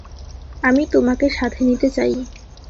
আমি তোমাকে সাথে নিতে চাই।